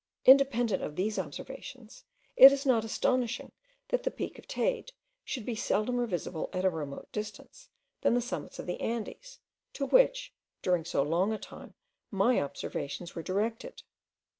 Independent of these observations, it is not astonishing, that the peak of Teyde should be seldomer visible at a very remote distance, than the summits of the Andes, to which, during so long a time, my observations were directed.